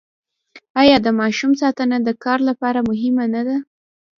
آیا د ماشوم ساتنه د کار لپاره مهمه نه ده؟